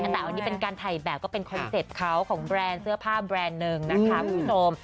แต่อันนี้เป็นการถ่ายแบบก็เป็นคอนเซ็ปต์เขาของแบรนด์เสื้อผ้าแบรนด์หนึ่งนะคะคุณผู้ชม